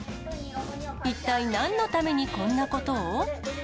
一体何のためにこんなことを？